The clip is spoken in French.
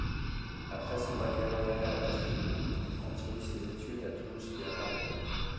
Après son baccalauréat à Perpignan, elle continue ses études à Toulouse puis à Paris.